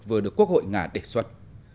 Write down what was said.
vừa được quốc hội nga đề xuất